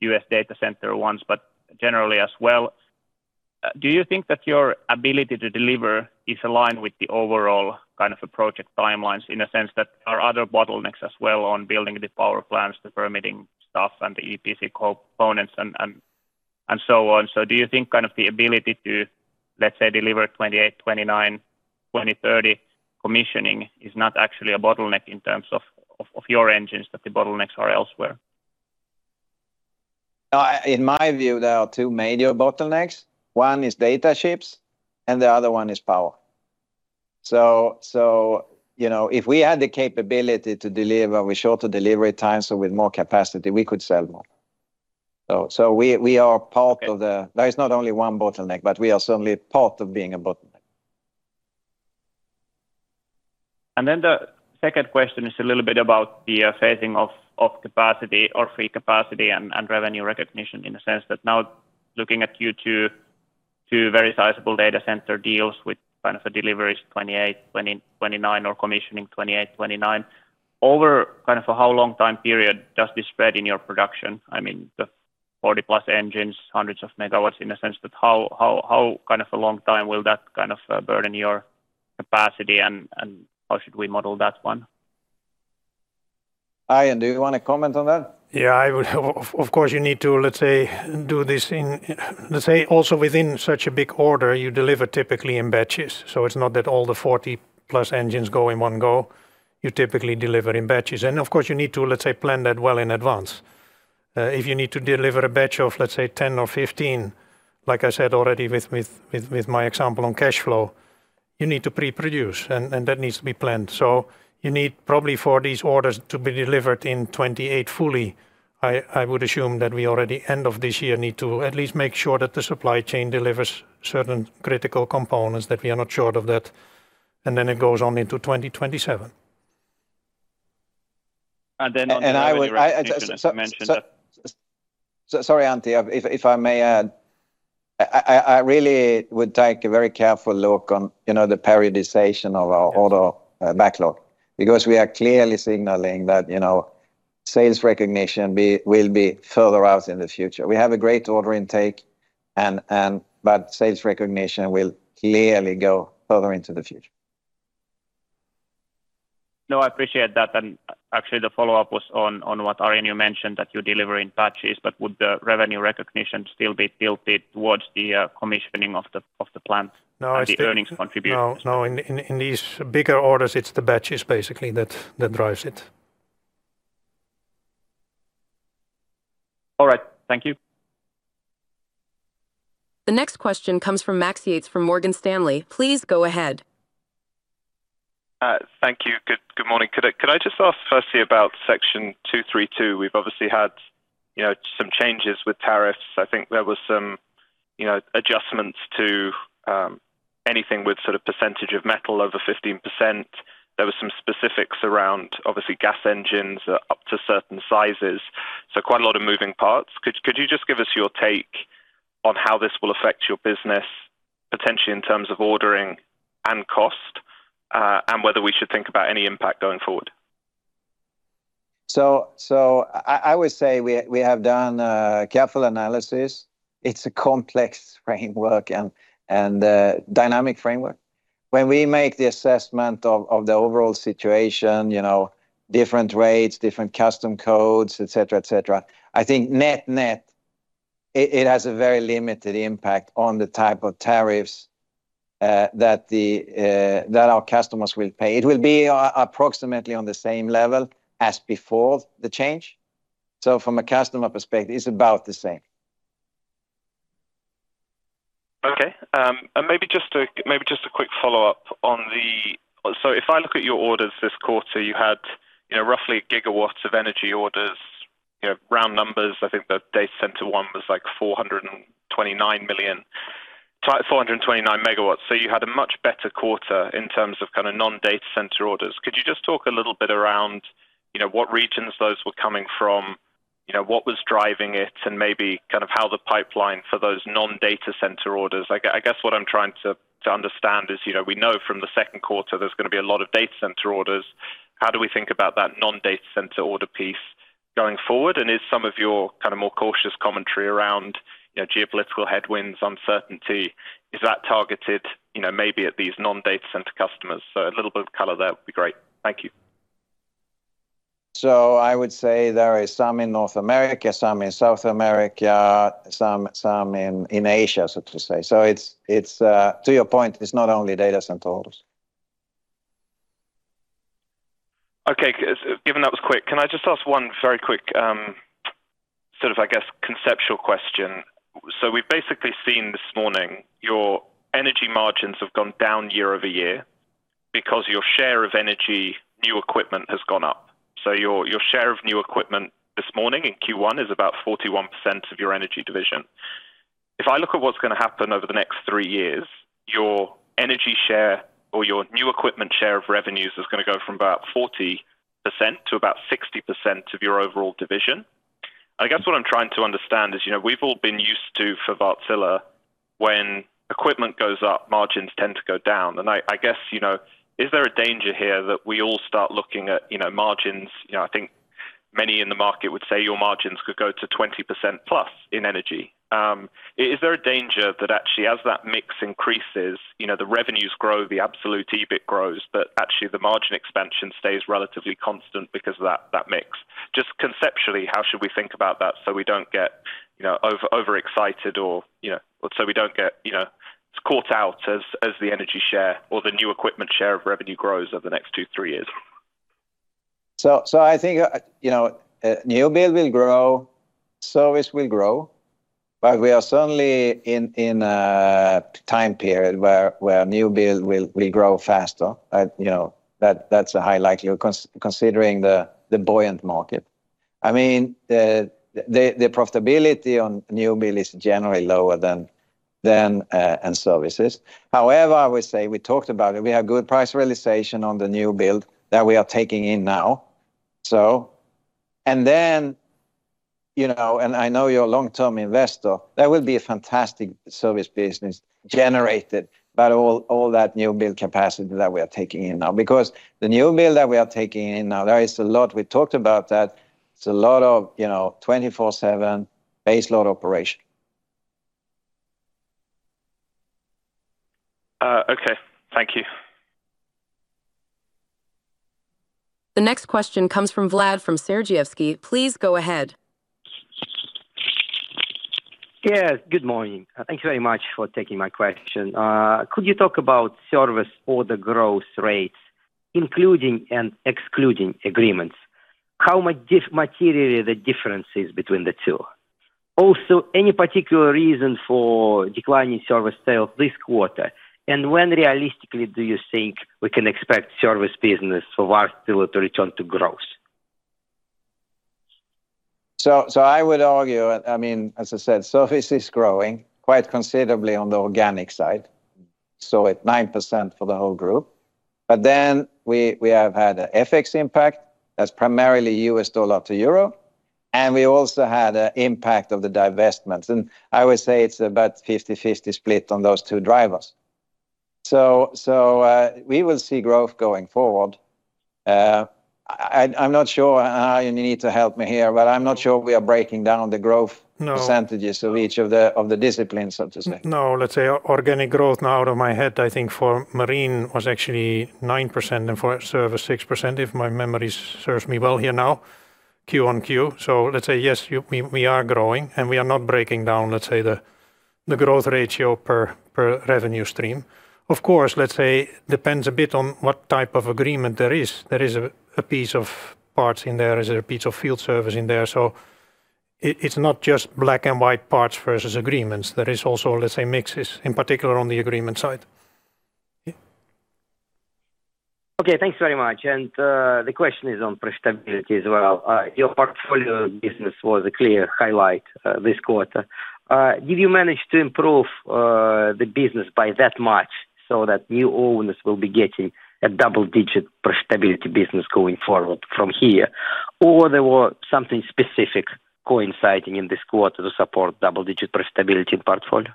Speaker 8: U.S. data center ones, but generally as well, do you think that your ability to deliver is aligned with the overall kind of approach of timelines in a sense that there are other bottlenecks as well on building the power plants, the permitting stuff and the EPC components and so on. Do you think the ability to, let's say, deliver 2028, 2029, 2030 commissioning is not actually a bottleneck in terms of your engines, that the bottlenecks are elsewhere?
Speaker 2: In my view, there are two major bottlenecks. One is data chips, and the other one is power. So, you know, if we had the capability to deliver with shorter delivery time, so with more capacity, we could sell more. So we are part of the-
Speaker 8: Okay
Speaker 2: There is not only one bottleneck, but we are certainly part of being a bottleneck.
Speaker 8: The second question is a little bit about the phasing of capacity or free capacity and revenue recognition in the sense that now looking at Q2, two very sizable data center deals with kind of deliveries 2028-2029 or commissioning 2028-2029. Over kind of a how long time period does this spread in your production? I mean, the 40+ engines, hundreds of megawatts in a sense that how kind of a long time will that kind of burden your capacity and how should we model that one?
Speaker 2: Arjen, do you wanna comment on that?
Speaker 3: Yeah, I would have, of course you need to, let's say, do this in, let's say also within such a big order, you deliver typically in batches, so it's not that all the 40+ engines go in one go. You typically deliver in batches. Of course you need to, let's say, plan that well in advance. If you need to deliver a batch of, let's say, 10 or 15, like I said already with my example on cash flow, you need to pre-produce and that needs to be planned. You need probably for these orders to be delivered in 2028 fully. I would assume that we already end of this year need to at least make sure that the supply chain delivers certain critical components that we are not sure of that, and then it goes on into 2027.
Speaker 8: And then-
Speaker 2: And I would, I just-
Speaker 8: you mentioned that.
Speaker 2: Sorry, Antti, if I may add, I really would take a very careful look on, you know, the periodization of our order backlog because we are clearly signaling that, you know, sales recognition will be further out in the future. We have a great order intake but sales recognition will clearly go further into the future.
Speaker 8: No, I appreciate that. Actually the follow-up was on what, Arjen, you mentioned that you deliver in batches, but would the revenue recognition still be tilted towards the commissioning of the plant-
Speaker 3: No, I still-
Speaker 8: the earnings contribution?
Speaker 3: No. In these bigger orders, it's the batches basically that drives it.
Speaker 8: All right. Thank you.
Speaker 4: The next question comes from Max Yates from Morgan Stanley. Please go ahead.
Speaker 9: Thank you. Good morning. Could I just ask firstly about Section 232? We've obviously had, you know, some changes with tariffs. I think there was some, you know, adjustments to anything with sort of percentage of metal over 15%. There were some specifics around obviously gas engines up to certain sizes, so quite a lot of moving parts. Could you just give us your take on how this will affect your business potentially in terms of ordering and cost, and whether we should think about any impact going forward?
Speaker 2: I would say we have done a careful analysis. It's a complex framework and dynamic framework. When we make the assessment of the overall situation, different rates, different customs codes, et cetera, I think net-net, it has a very limited impact on the type of tariffs that our customers will pay. It will be approximately on the same level as before the change. From a customer perspective, it's about the same.
Speaker 9: Okay. Maybe just a quick follow-up on the if I look at your orders this quarter, you had, you know, roughly gigawatts of energy orders, you know, round numbers. I think the data center one was, like, 429 million tied 429 MW. You had a much better quarter in terms of kind of non-data center orders. Could you just talk a little bit around, you know, what regions those were coming from, you know, what was driving it, and maybe kind of how the pipeline for those non-data center orders? I guess what I'm trying to understand is, you know, we know from the second quarter there's gonna be a lot of data center orders. How do we think about that non-data center order piece going forward? Is some of your kind of more cautious commentary around, you know, geopolitical headwinds, uncertainty, is that targeted, you know, maybe at these non-data center customers? A little bit of color there would be great. Thank you.
Speaker 2: I would say there is some in North America, some in South America, some in Asia, so to say. It's to your point, it's not only data center orders.
Speaker 9: Okay. Given that was quick, can I just ask one very quick, sort of, I guess, conceptual question? We've basically seen this morning your energy margins have gone down year-over-year because your share of energy, new equipment has gone up. Your share of new equipment this morning in Q1 is about 41% of your energy division. If I look at what's gonna happen over the next three years, your energy share or your new equipment share of revenues is gonna go from about 40% to about 60% of your overall division. I guess what I'm trying to understand is, you know, we've all been used to for Wärtsilä, when equipment goes up, margins tend to go down. I guess, you know, is there a danger here that we all start looking at, you know, margins? You know, I think many in the market would say your margins could go to 20%+ in energy. Is there a danger that actually as that mix increases, you know, the revenues grow, the absolute EBIT grows, but actually the margin expansion stays relatively constant because of that mix? Just conceptually, how should we think about that so we don't get, you know, overexcited or, you know, caught out as the energy share or the new equipment share of revenue grows over the next two, three years?
Speaker 2: I think, you know, new build will grow, service will grow. But we are certainly in a time period where new build will grow faster. You know, that's a high likelihood considering the buoyant market. I mean, the profitability on new build is generally lower than in services. However, I would say we talked about it. We have good price realization on the new build that we are taking in now. You know, I know you're a long-term investor, there will be a fantastic service business generated by all that new build capacity that we are taking in now. Because the new build that we are taking in now, there is a lot we talked about that. It's a lot of, you know, 24/7 base load operation.
Speaker 9: Okay. Thank you.
Speaker 4: The next question comes from Vladimir Sergievskiy. Please go ahead.
Speaker 10: Yes, good morning. Thank you very much for taking my question. Could you talk about service order growth rates, including and excluding agreements? How much materially the difference is between the two? Also, any particular reason for decline in service sales this quarter? When realistically do you think we can expect service business for Wärtsilä to return to growth?
Speaker 2: I would argue, I mean, as I said, service is growing quite considerably on the organic side, so at 9% for the whole group. We have had an FX impact that's primarily U.S. dollar to euro, and we also had an impact of the divestments. I would say it's about 50-50 split on those two drivers. We will see growth going forward. I'm not sure, Arjen you need to help me here, but I'm not sure we are breaking down the growth-
Speaker 3: No
Speaker 2: percentages of each of the disciplines, so to say.
Speaker 3: No. Let's say organic growth now off the top of my head, I think for Marine was actually 9% and for Services 6%, if my memory serves me well here now, Q-on-Q. Let's say, yes, we are growing and we are not breaking down the growth ratio per revenue stream. Of course, let's say depends a bit on what type of agreement there is. There is a piece of parts in there. There's a piece of field service in there. It's not just black and white parts versus agreements. There is also, let's say, mixes, in particular on the agreement side.
Speaker 10: Okay, thanks very much. The question is on profitability as well. Your portfolio business was a clear highlight this quarter. Did you manage to improve the business by that much so that new owners will be getting a double-digit profitability business going forward from here? There were something specific coinciding in this quarter to support double-digit profitability in portfolio?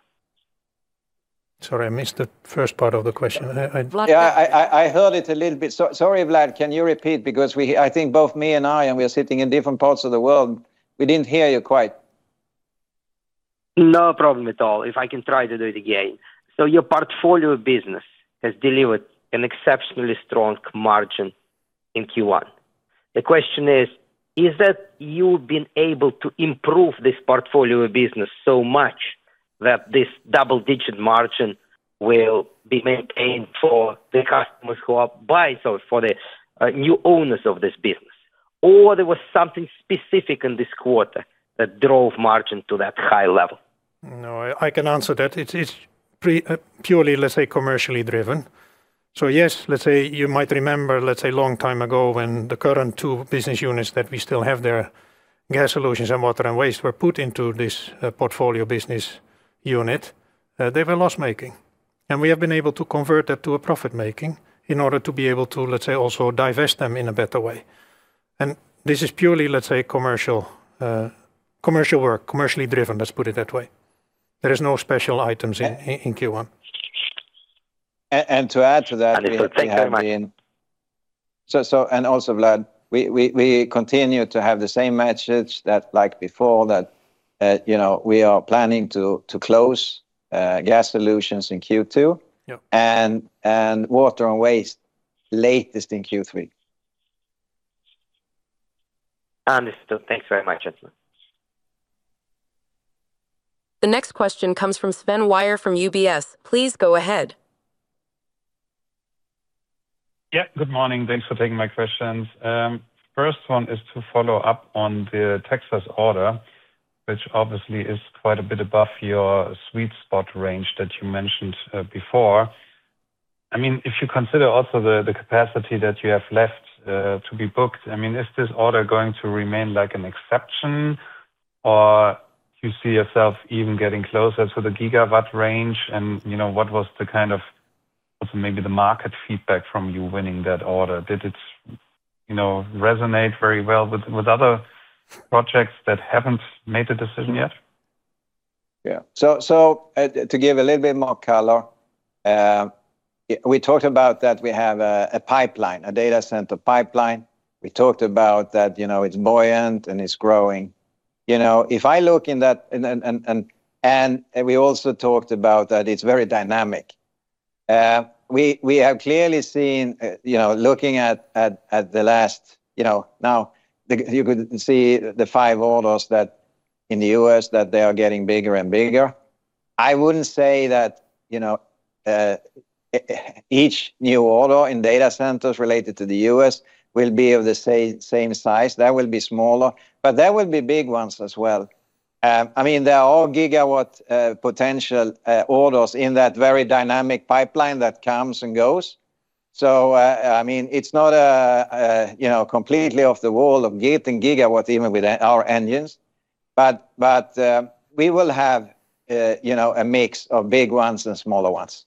Speaker 3: Sorry, I missed the first part of the question.
Speaker 1: Vlad-
Speaker 2: Yeah. I heard it a little bit. Sorry, Vlad, can you repeat? Because I think both me and we are sitting in different parts of the world. We didn't hear you quite.
Speaker 10: No problem at all. If I can try to do it again. Your portfolio business has delivered an exceptionally strong margin in Q1. The question is that you've been able to improve this portfolio business so much that this double-digit margin will be maintained for the customers who are buying, so for the new owners of this business? Or there was something specific in this quarter that drove margin to that high level?
Speaker 3: No, I can answer that. It's purely, let's say, commercially driven. Yes, let's say you might remember, let's say long time ago when the current two business units that we still have, their Gas Solutions and Water & Waste were put into this portfolio business unit, they were loss-making. We have been able to convert that to a profit-making in order to be able to, let's say, also divest them in a better way. This is purely, let's say, commercial work, commercially driven, let's put it that way. There is no special items in Q1.
Speaker 10: Understood. Thank you very much.
Speaker 2: To add to that, also Vlad, we continue to have the same message that like before that, you know, we are planning to close Gas Solutions in Q2.
Speaker 3: Yeah.
Speaker 2: Water & Waste latest in Q3.
Speaker 10: Understood. Thanks very much, gentlemen.
Speaker 4: The next question comes from Sven Weier from UBS. Please go ahead.
Speaker 11: Yeah. Good morning. Thanks for taking my questions. First one is to follow up on the Texas order, which obviously is quite a bit above your sweet spot range that you mentioned before. I mean, if you consider also the capacity that you have left to be booked, I mean, is this order going to remain like an exception or do you see yourself even getting closer to the gigawatt range? You know, what's maybe the market feedback from you winning that order? Did it, you know, resonate very well with other projects that haven't made a decision yet?
Speaker 2: To give a little bit more color, we talked about that we have a pipeline, a data center pipeline. We talked about that, you know, it's buoyant and it's growing. You know, if I look into that and we also talked about that it's very dynamic. We have clearly seen, you know, looking at the last, now you could see the five orders in the U.S. that they are getting bigger and bigger. I wouldn't say that, you know, each new order in data centers related to the U.S. will be of the same size. That will be smaller, but there will be big ones as well. I mean, they are all gigawatt potential orders in that very dynamic pipeline that comes and goes. I mean, it's not a you know completely off the wall of getting gigawatt even with our engines. We will have you know a mix of big ones and smaller ones.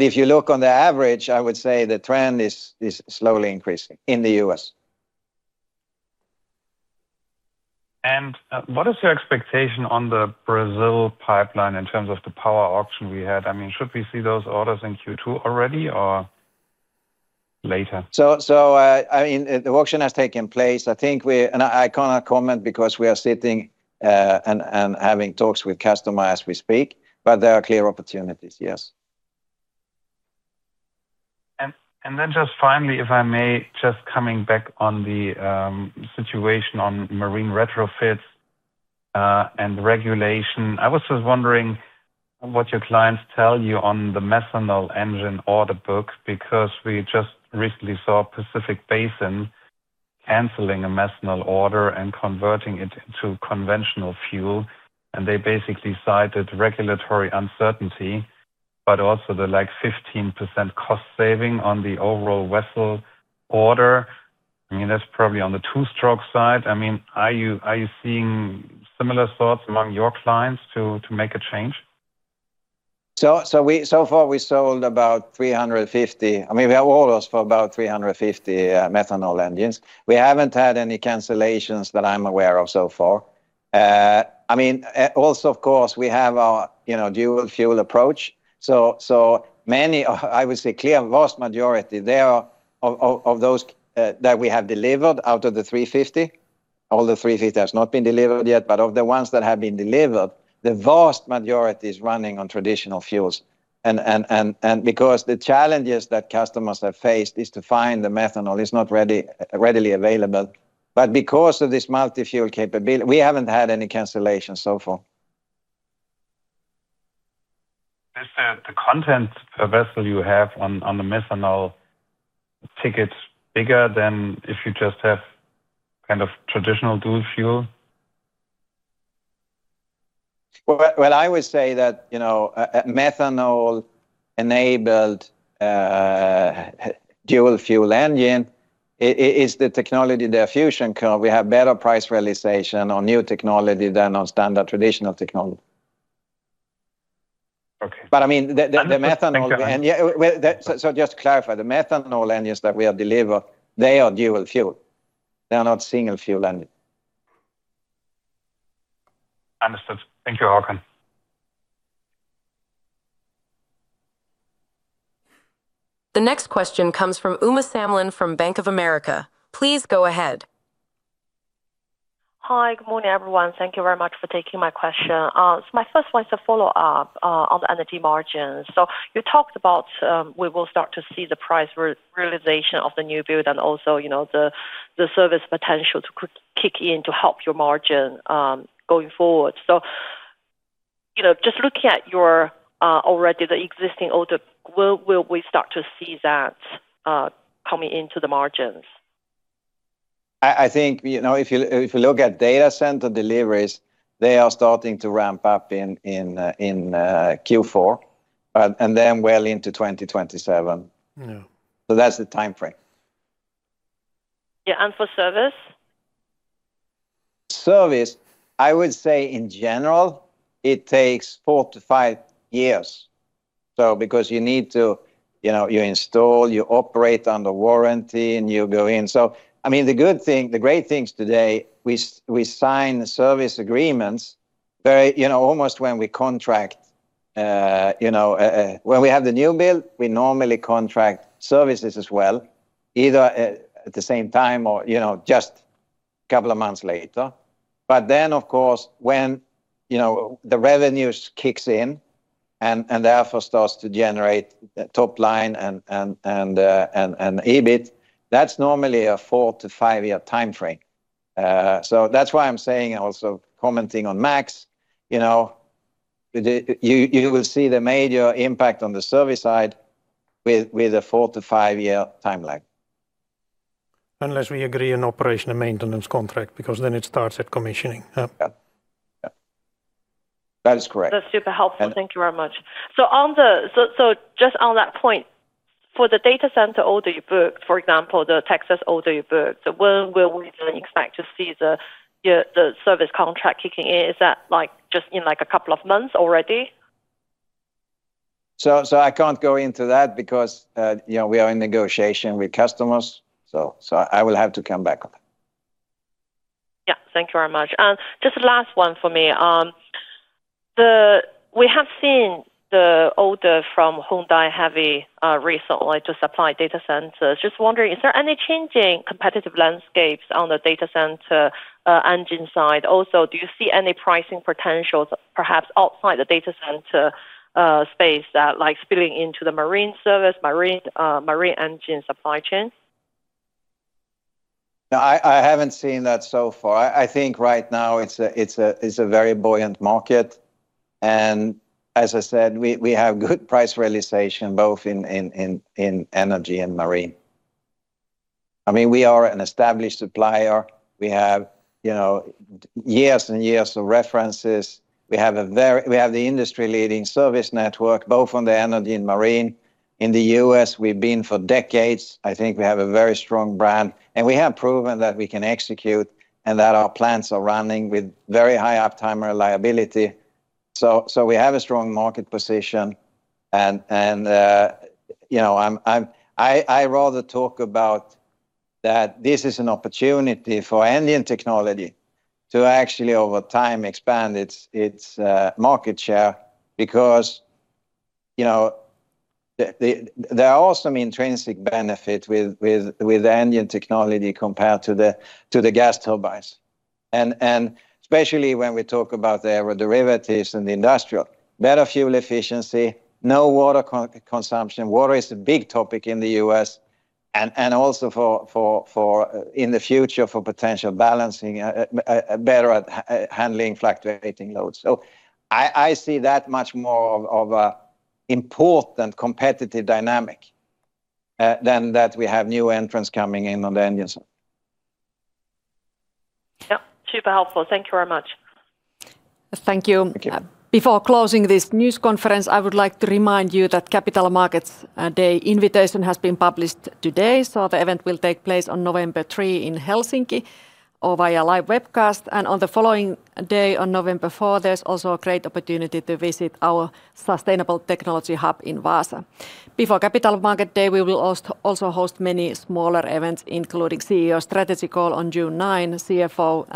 Speaker 2: If you look on the average, I would say the trend is slowly increasing in the U.S.
Speaker 11: What is your expectation on the Brazil pipeline in terms of the power auction we had? I mean, should we see those orders in Q2 already or later?
Speaker 2: I mean, the auction has taken place. I think I cannot comment because we are sitting and having talks with customer as we speak, but there are clear opportunities, yes.
Speaker 11: Then just finally, if I may, just coming back on the situation on Marine retrofits and regulation. I was just wondering what your clients tell you on the methanol engine order book, because we just recently saw Pacific Basin canceling a methanol order and converting it into conventional fuel, and they basically cited regulatory uncertainty, but also the, like, 15% cost saving on the overall vessel order. I mean, that's probably on the two-stroke side. I mean, are you seeing similar thoughts among your clients to make a change?
Speaker 2: So far we sold about 350—I mean, we have orders for about 350 methanol engines. We haven't had any cancellations that I'm aware of so far. I mean, also of course, we have our, you know, dual fuel approach. Many of—I would say, clearly, the vast majority of those that we have delivered out of the 350. All the 350 has not been delivered yet, but of the ones that have been delivered, the vast majority is running on traditional fuels. Because the challenges that customers have faced is that methanol is not readily available. Because of this multi-fuel capability, we haven't had any cancellations so far.
Speaker 11: Is the content per vessel you have on the methanol ticket bigger than if you just have kind of traditional dual fuel?
Speaker 2: Well, I would say that, you know, methanol-enabled, dual fuel engine is the technology, the diffusion curve. We have better price realization on new technology than on standard traditional technology.
Speaker 11: Okay.
Speaker 2: I mean, the methanol
Speaker 11: Understood. Thank you.
Speaker 2: Just to clarify, the methanol engines that we have delivered, they are dual fuel. They are not single fuel engine.
Speaker 11: Understood. Thank you, Håkan.
Speaker 4: The next question comes from Uma Samlin from Bank of America. Please go ahead.
Speaker 12: Hi. Good morning, everyone. Thank you very much for taking my question. My first one is a follow-up on the energy margins. You talked about we will start to see the price realization of the new build and also, you know, the service potential to quickly kick in to help your margin going forward. You know, just looking at your existing order book, where will we start to see that coming into the margins?
Speaker 2: I think, you know, if you look at data center deliveries, they are starting to ramp up in Q4 and then well into 2027.
Speaker 3: Yeah.
Speaker 2: That's the timeframe.
Speaker 12: Yeah. For service?
Speaker 2: Service, I would say in general, it takes 4-5 years. Because you need to, you know, you install, you operate under warranty, and you go in. I mean, the good thing, the great things today, we sign the service agreements very, you know, almost when we contract, you know. When we have the new build, we normally contract services as well, either at the same time or, you know, just couple of months later. Then, of course, when, you know, the revenues kicks in and therefore starts to generate top line and EBIT, that's normally a 4-5-year timeframe. That's why I'm saying also commenting on Max, you know, you will see the major impact on the service side with a 4-5-year timeline.
Speaker 3: Unless we agree an operation and maintenance contract, because then it starts at commissioning.
Speaker 2: Yeah. Yeah. That is correct.
Speaker 12: That's super helpful.
Speaker 2: And-
Speaker 12: Thank you very much. Just on that point, for the data center order you booked, for example, the Texas order you booked, when will we then expect to see the, your, the service contract kicking in? Is that, like, just in, like, a couple of months already?
Speaker 2: I can't go into that because, you know, we are in negotiation with customers. I will have to come back on that.
Speaker 12: Yeah. Thank you very much. Just last one for me. We have seen the order from Hyundai Heavy, recent, like, to supply data centers. Just wondering, is there any change in competitive landscapes on the data center engine side? Also, do you see any pricing potentials perhaps outside the data center space that, like, spilling into the marine service, marine engine supply chain?
Speaker 2: No, I haven't seen that so far. I think right now it's a very buoyant market, and as I said, we have good price realization both in energy and marine. I mean, we are an established supplier. We have, you know, years and years of references. We have the industry-leading service network both on the energy and marine. In the U.S., we've been for decades. I think we have a very strong brand, and we have proven that we can execute and that our plants are running with very high uptime reliability. We have a strong market position and, you know, I rather talk about that this is an opportunity for engine technology to actually over time expand its market share because, you know, the... There are also some intrinsic benefit with engine technology compared to the gas turbines, and especially when we talk about the derivatives and the industrial. Better fuel efficiency, no water consumption. Water is a big topic in the U.S. and also for in the future for potential balancing, better at handling fluctuating loads. I see that much more of a important competitive dynamic than that we have new entrants coming in on the engine side.
Speaker 12: Yep. Super helpful. Thank you very much.
Speaker 1: Thank you.
Speaker 2: Thank you.
Speaker 1: Before closing this news conference, I would like to remind you that Capital Markets Day invitation has been published today, so the event will take place on November 3 in Helsinki or via live webcast. On the following day, on November 4, there's also a great opportunity to visit our Sustainable Technology Hub in Vaasa. Before Capital Markets Day, we will also host many smaller events, including CEO strategy call on June 9, CFO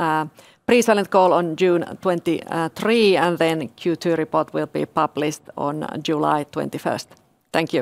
Speaker 1: pre-silent call on June 20, 2023, and then Q2 report will be published on July 21st. Thank you.